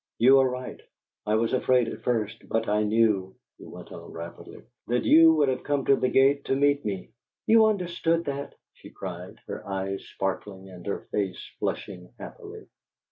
You are right. I was afraid at first; but I knew," he went on, rapidly, "that you would have come to the gate to meet me." "You understood that?" she cried, her eyes sparkling and her face flushing happily.